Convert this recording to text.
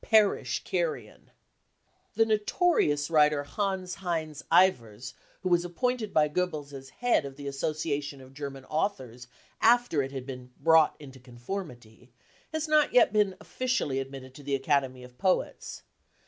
Perish, carrion I " The notorious writer Hanns Heinz Ewers, who was appointed byGoebbels as head of the Association of German Authors after it had been " brought into conformity 55 has not yet been officially admitted to the Academy of Poets.